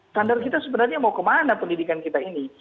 standar kita sebenarnya mau kemana pendidikan kita ini